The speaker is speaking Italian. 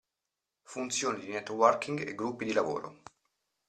Funzioni di networking e gruppi di lavoro.